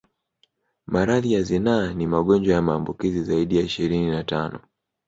Maradhi ya zinaa ni magonjwa ya maambukizi zaidi ya ishirini na tano